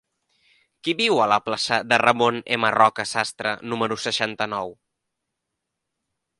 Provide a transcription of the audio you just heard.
Qui viu a la plaça de Ramon M. Roca Sastre número seixanta-nou?